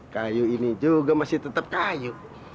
kayu ini juga masih tetap kayu